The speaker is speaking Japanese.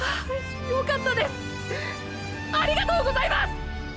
ありがとうございます！！